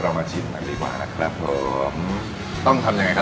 มาชิมกันดีกว่านะครับผมต้องทำยังไงครับ